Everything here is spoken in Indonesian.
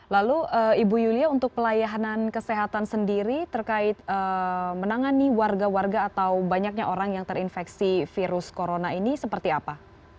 lalu ibu yulia untuk pelayanan kesehatan sendiri terkait menangani warga warga atau banyaknya orang yang terinfeksi virus corona ini seperti apa